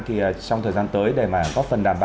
thì trong thời gian tới để mà có phần